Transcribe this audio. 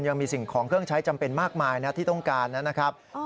ยังมีสิ่งของเครื่องใช้จำเป็นมากมายนะที่ต้องการนะครับ